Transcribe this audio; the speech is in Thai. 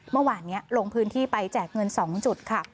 เมื่อวานนี้ลงพื้นที่ไปแจกเงิน๒จุดค่ะ